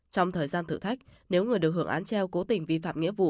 trong thời gian thử thách nếu người được hưởng án treo cố tình vi phạm nghĩa vụ